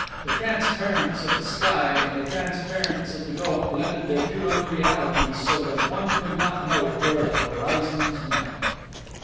The transparence of the sky and the transparence of the gulf blended their two unrealities so that one could not note where the horizons met.